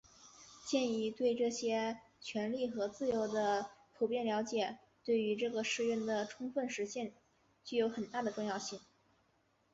鉴于对这些权利和自由的普遍了解对于这个誓愿的充分实现具有很大的重要性